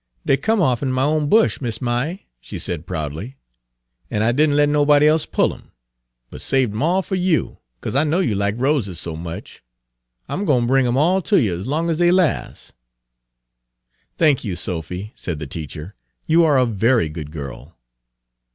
"Dey come off'n my own bush, Miss Ma'y," she said proudly, "an' I did n' let nobody e'se pull 'em, but saved 'em all fer you, 'cause I know you likes roses so much. I'm gwine bring 'em all ter you as long as dey las'." "Thank you, Sophy," said the teacher; "you are a very good girl."